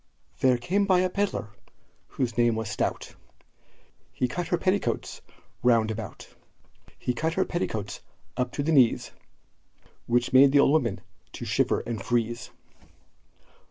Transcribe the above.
There came by a pedlar, whose name was Stout, He cut her petticoats round about; He cut her petticoats up to the knees, Which made the old woman to shiver and freeze.